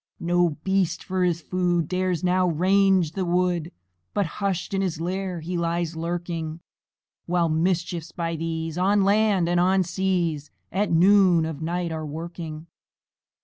No beast, for his food, Dares now range the wood, But hush'd in his lair he lies lurking; While mischiefs, by these, On land and on seas, At noon of night are a working.